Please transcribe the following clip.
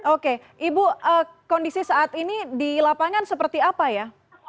oke ibu kondisi saat ini di lapangan seperti apa ya